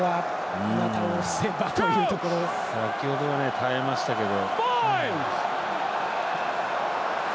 先ほどは耐えましたけど。